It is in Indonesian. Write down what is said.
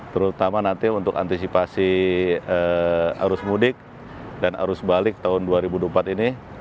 terutama nanti untuk antisipasi arus mudik dan arus balik tahun dua ribu dua puluh empat ini